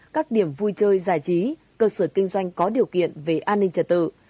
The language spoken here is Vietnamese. các điểm vui chơi giải trí cơ sở kinh doanh có điều kiện về an ninh trật tự